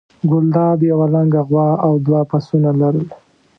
ګلداد یوه لنګه غوا او دوه پسونه لرل.